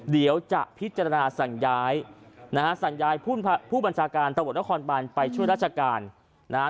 เดี๋ยวจะพิจารณาสั่งย้ายนะฮะสั่งย้ายผู้บัญชาการตำรวจนครบานไปช่วยราชการนะฮะ